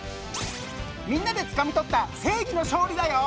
みんなでつかみ取った正義の勝利だよ！